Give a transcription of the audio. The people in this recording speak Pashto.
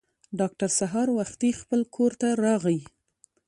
ډاکټر سهار وختي خپل کور ته راغی.